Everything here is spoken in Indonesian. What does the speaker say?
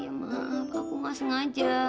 ya maaf aku gak sengaja